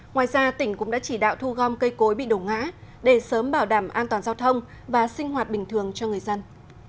ngoài ra tỉnh cũng đã chỉ đạo thu gom cây cối bị đổ ngã để sớm bảo đảm an toàn giao thông và sinh hoạt bình thường cho người dân